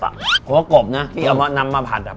เพราะว่ากบนะที่เอามานำมาผัด